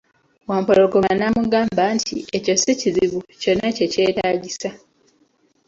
Wampologoma n'amugamba nti, ekyo sikizibu, kyonna kye kyetagisa.